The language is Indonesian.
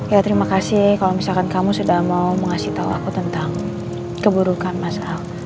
ya terima kasih kalo misalkan kamu sudah mau mengasih tau aku tentang keburukan mas al